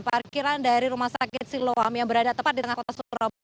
parkiran dari rumah sakit siloam yang berada tepat di tengah kota surabaya